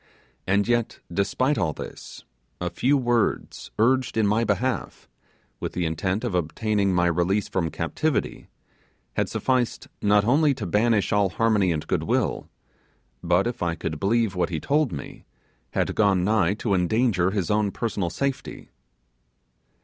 And yet despite all this, a few words urged in my behalf, with the intent of obtaining my release from captivity, had sufficed not only to banish all harmony and good will; but, if I could believe what he told me, had gone on to endanger his own personal safety.